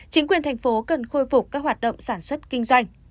chính quyền thành phố cần khôi phục các hoạt động sản xuất kinh doanh